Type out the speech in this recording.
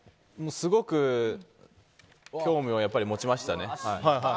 すごく興味を持ちましたね。